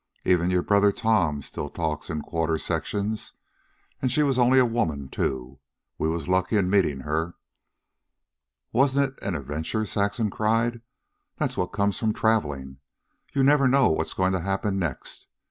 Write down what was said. Even your brother Tom still talks in quarter sections. An' she was only a woman, too. We was lucky in meetin' her." "Wasn't it an adventure!" Saxon cried. "That's what comes of traveling. You never know what's going to happen next.